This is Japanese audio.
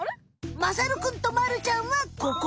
まさるくんとまるちゃんはここ。